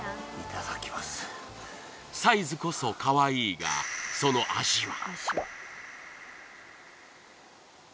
サイズこそかわいいがその味は？